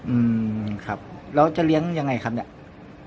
อืมครับแล้วจะเลี้ยงยังไงครับเนี่ย